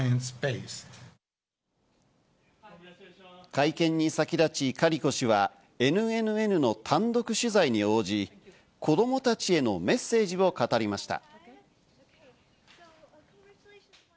会見に先立ち、カリコ氏はＮＮＮの単独取材に応じ、子どもたちへのメッセージを語りました。